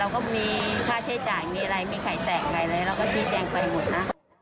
เราก็มีค่าใช้จ่ายมีอะไรมีไข่แต่งอะไรเลย